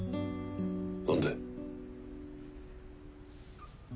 何で。